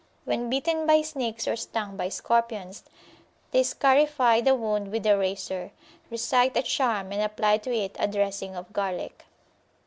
When bitten by snakes or stung by scorpions, they scarify the wound with a razor, recite a charm, and apply to it a dressing of garlic.